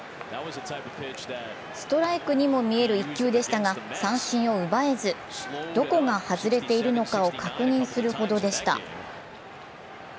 ストライクにも見える１球でしたが三振を奪えずどこが外れているのかを確認するほどでした。